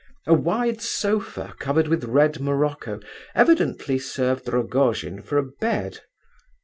A wide sofa covered with red morocco evidently served Rogojin for a bed.